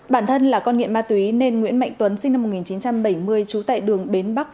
bản thân là con nghiện ma túy nên nguyễn mạnh tuấn sinh năm một nghìn chín trăm bảy mươi trú tại đường bến bắc